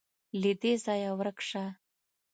_له دې ځايه ورک شه.